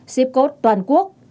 xếp cốt toàn quốc